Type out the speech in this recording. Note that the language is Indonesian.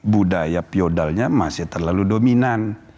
budaya piodalnya masih terlalu dominan